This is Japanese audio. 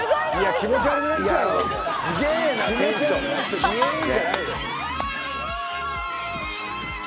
気持ち悪くなっちゃうイエーイ！